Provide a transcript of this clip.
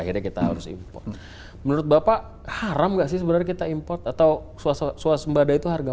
akhirnya kita harus impot menurut bapak haram gak sih sebenarnya kita impot atau swasembada itu harga